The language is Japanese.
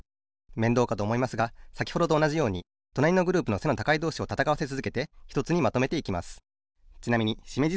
めんどうかとおもいますがさきほどとおなじようにとなりのグループの背の高いどうしをたたかわせつづけてひとつにまとめていきます。